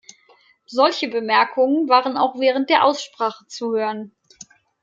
Solche Bemerkungen waren auch während der Aussprache zu hören.